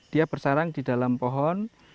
dia bersarang di dalam pohon